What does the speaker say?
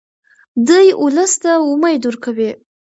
دی ولس ته امید ورکوي.